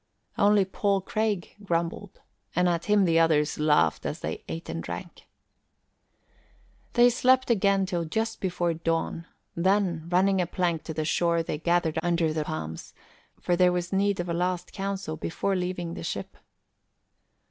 Only Paul Craig grumbled, and at him the others laughed as they ate and drank. They slept again till just before dawn, then, running a plank to the shore, they gathered under the palms, for there was need of a last council before leaving the ship.